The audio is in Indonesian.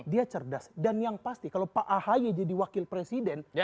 dia cerdas dan yang pasti kalau pak ahy jadi wakil presiden